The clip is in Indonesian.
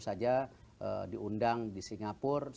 saja diundang di singapura